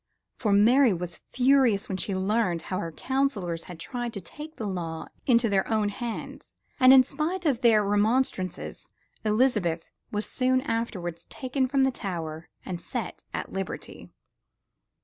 For Mary was furious when she learned how her counselors had tried to take the law into their own hands, and in spite of their remonstrances Elizabeth was soon afterward taken from the Tower and set at liberty.